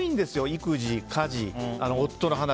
育児、家事、夫の話。